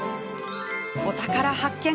お宝発見！